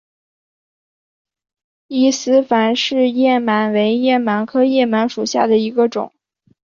伊凡氏叶螨为叶螨科叶螨属下的一个种。